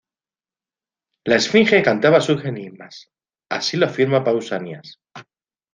La Esfinge cantaba sus enigmas, así lo afirma Pausanias.